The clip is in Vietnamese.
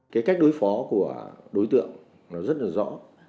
cái cách đối phó của đối tượng rất là rõ